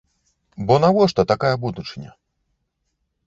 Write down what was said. Бо навошта такая будучыня?